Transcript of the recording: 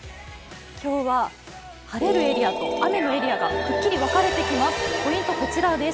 今日は晴れるエリアと雨のエリアがくっきり分かれてきます。